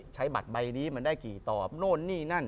ใช้บัตรใบนี้มันได้กี่ตอบโน่นนี่นั่น